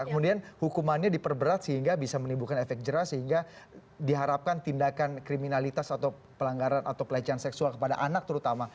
kemudian hukumannya diperberat sehingga bisa menimbulkan efek jerah sehingga diharapkan tindakan kriminalitas atau pelanggaran atau pelecehan seksual kepada anak terutama